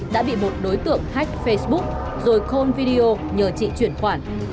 đã bị một đối tượng hack facebook rồi call video nhờ chị chuyển khoản